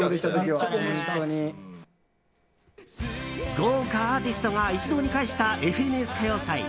豪華アーティストが一堂に会した「ＦＮＳ歌謡祭」。